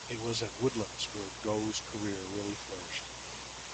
It was at Woodlands where Goh's career really flourished.